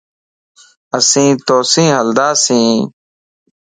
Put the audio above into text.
اسين تو سين ھلنداسين